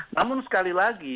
namun sekali lagi